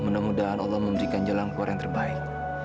dan mudah mudahan allah memberikan jalan keluar yang terbaik